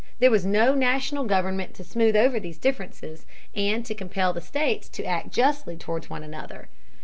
There was no national government to smooth over these differences and to compel the states to act justly toward one another.